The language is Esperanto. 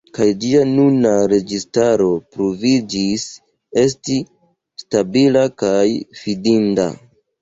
Kaj ĝia nuna registaro pruviĝis esti stabila kaj fidinda.